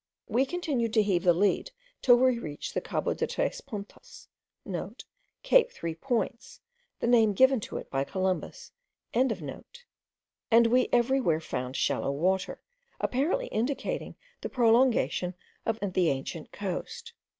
We continued to heave the lead till we reached Cabo de tres Puntas* (* Cape Three Points, the name given to it by Columbus.) and we every where found shallow water, apparently indicating the prolongation of the ancient coast.